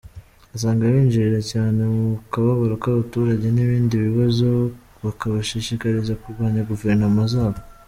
Usanga binjirira cyane mu kababaro k’abaturage n’ibindi bibazo bakabashishikariza kurwanya guverinoma zabo.